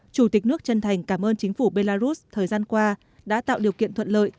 chủ tịch nước chân thành cảm ơn chính phủ belarus thời gian qua đã tạo điều kiện thuận lợi